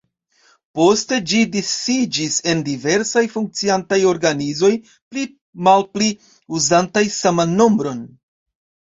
Poste ĝi disiĝis en diversaj funkciantaj organizoj pli mal pli uzantaj saman nombron.